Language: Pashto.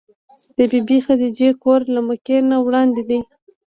د بي بي خدېجې کور له مکې نه وړاندې دی.